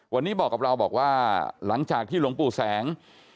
วันนี้บอกกับเราบอกว่าหลังจากที่หลวงปู่แสง